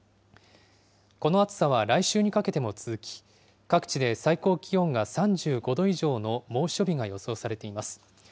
この暑さは来週にかけても続き、各地で最高気温が３５度以上の猛暑日が予想されています。